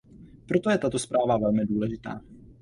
Proto je tato zpráva velmi důležitá.